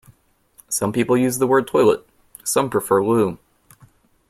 Some people use the word toilet, some prefer loo